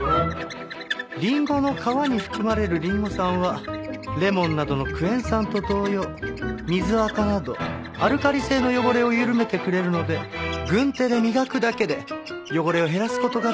リンゴの皮に含まれるリンゴ酸はレモンなどのクエン酸と同様水あかなどアルカリ性の汚れを緩めてくれるので軍手で磨くだけで汚れを減らす事ができます。